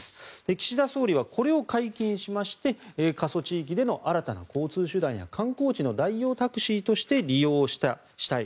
岸田総理はこれを解禁しまして過疎地域での新たな交通手段や観光地の代用タクシーとして利用したい。